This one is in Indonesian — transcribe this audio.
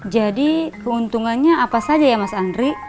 jadi keuntungannya apa saja ya mas andri